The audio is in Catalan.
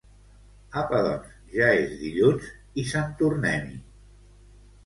Apa doncs, ja és dilluns i sant tornem-hi!